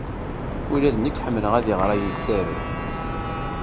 Ula d nekk ḥemmleɣ ad iɣer ayen ttaruɣ.